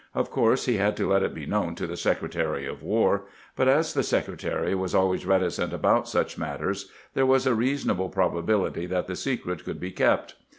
Of course he had to let it be known to the Secretary of War ; but as the Secretary was always reticent about such matters, there was a reasonable probability that the secret could be kept.